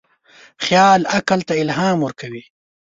خیال عقل ته الهام ورکوي.